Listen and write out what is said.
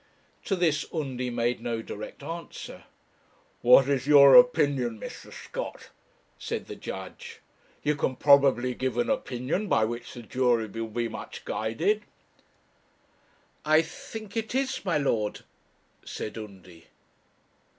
To this Undy made no direct answer. 'What is your opinion, Mr. Scott?' said the judge; 'you can probably give an opinion by which the jury would be much guided.' 'I think it is, my lord,' said Undy.